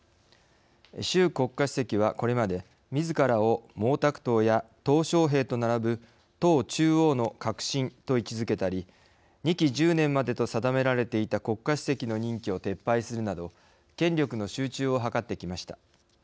習国家主席はこれまでみずからを毛沢東や小平と並ぶ党中央の核心と位置づけたり２期１０年までと定められていた国家主席の任期を撤廃するなど権力の集中を図ってきました。